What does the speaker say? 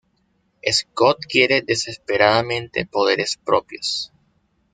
Scott quiere desesperadamente poderes propios.